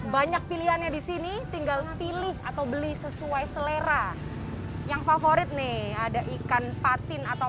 banyak pilihannya disini tinggal pilih atau beli sesuai selera yang favorit nih ada ikan patin atau